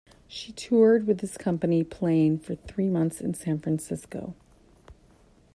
She toured with this company, playing for three months in San Francisco.